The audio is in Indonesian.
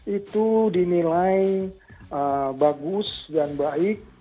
itu dinilai bagus dan baik